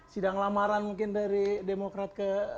sidang lamaran mungkin dari demokrat ke